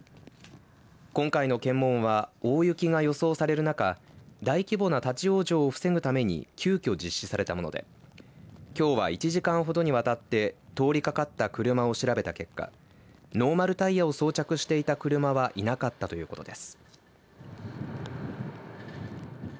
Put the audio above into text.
今回の検問は大雪が予想される中大規模な立往生を防ぐために急きょ実施されたものできょうは１時間ほどにわたって通りかかった車を調べた結果ノーマルタイヤを装着していた車はいなかったということです。